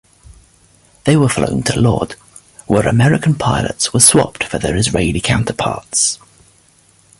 They were flown to Lod, where American pilots were swapped for their Israeli counterparts.